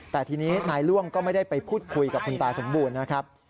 แต่ทีนี้นายล่วงก็ไม่ได้ไปพูดคุยกับคุณตาสมบูรณ์นะครับ